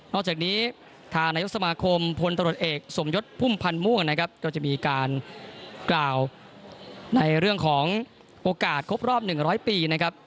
จากนี้ทางนายกสมาคมพลตรวจเอกสมยศพุ่มพันธ์ม่วงนะครับก็จะมีการกล่าวในเรื่องของโอกาสครบรอบ๑๐๐ปีนะครับ